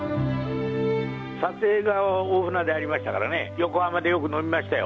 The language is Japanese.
撮影が大船でありましたからね、横浜でよく飲みましたよ。